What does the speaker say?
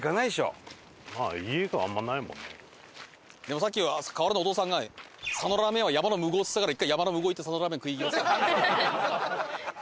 でもさっき瓦屋のお父さんが佐野ラーメンは山の向こうっつったから１回山の向こう行って佐野ラーメン食いに行きます？